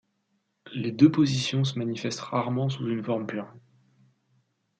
Les deux positions se manifestent rarement sous une forme pure.